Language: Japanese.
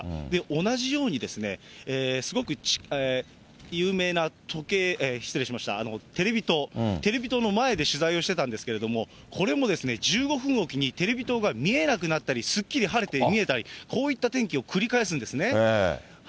同じように、すごく有名な、失礼しました、テレビ塔、テレビ塔の前で取材をしてたんですけれども、これも１５分おきにテレビ塔が見えなくなったり、すっきり晴れて見えたり、こういった天気を繰り返すんですね。